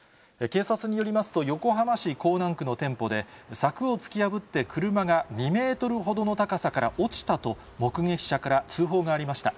警察によりますと、横浜市港南区の店舗で、柵を突き破って、車が２メートルほどの高さから落ちたと、目撃者から通報がありました。